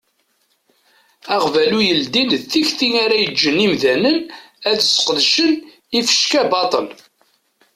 Aɣbalu yeldin d tikti ara yeǧǧen imdanen ad sqedcen ifecka baṭel.